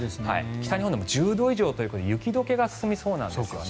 北日本でも１０度以上ということで雪解けが進みそうなんですね。